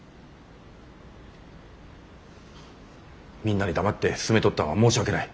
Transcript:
みんなに黙って進めとったんは申し訳ない。